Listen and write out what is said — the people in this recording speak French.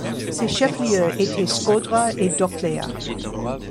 Ses chefs-lieux étaient Scodra et Doclea.